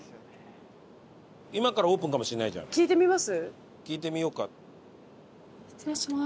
聞いてみます？